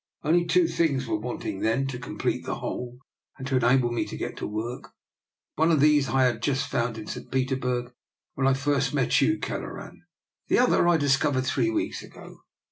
Only two things were wanting then to complete the whole and to enable me to get to work. One of these I had just found in St. Petersburg when I first met you, Kelleran; the other I discovered three weeks ago.